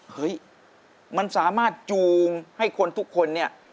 เฮ้ยมันสามารถจูงให้คนทุกคนเนี่ย